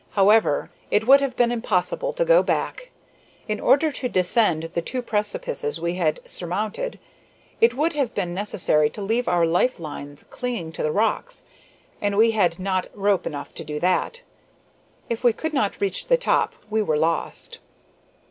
However, it would have been impossible to go back. In order to descend the two precipices we had surmounted it would have been necessary to leave our life lines clinging to the rocks, and we had not rope enough to do that. If we could not reach the top we were lost.